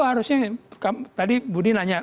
harusnya tadi budi nanya